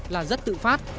là rất tự phát